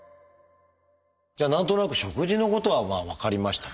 じゃあ何となく食事のことは分かりましたと。